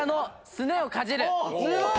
すごい！